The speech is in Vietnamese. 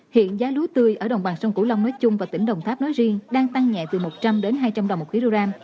hiện giá lúa tươi ở đồng bằng sông cửu long nói chung và tỉnh đồng tháp nói riêng đang tăng nhẹ từ một trăm linh đến hai trăm linh đồng một kg